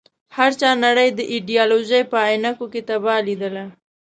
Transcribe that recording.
هر چا نړۍ د ایډیالوژۍ په عينکو کې تباه ليدله.